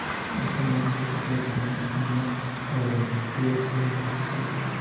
El genoma se corta en fragmentos con una endonucleasa de restricción.